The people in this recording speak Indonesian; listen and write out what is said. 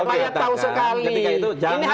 ketika itu jangan pakai